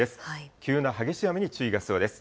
急な激しい雨に注意が必要です。